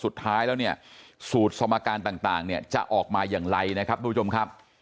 สุดท้ายแล้วเนี่ยสูตรสมการต่างเนี่ยจะออกมาอย่างไรนะครับทุกผู้ชมครับ